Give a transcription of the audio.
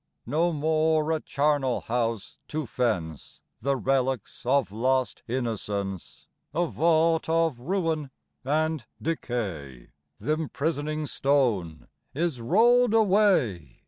96 No more a charnel house to fence The relics of lost innocence, — A vault of ruin and decay; — Th' imprisoning stone is rolled away.